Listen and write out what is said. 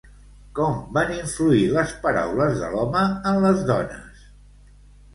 Com van influir les paraules de l'home en les dones?